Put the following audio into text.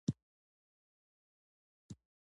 صادقانه مخالفت د تکامل سرچینه ده.